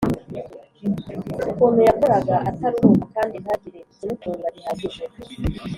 ukuntu yakoraga ataruhuka kandi ntagire ikimutunga gihagije